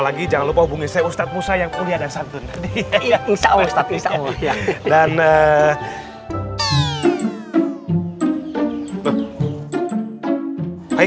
lagi jangan lupa hubungi saya ustadz musa yang kuliah dan santun dan eh hai hai hai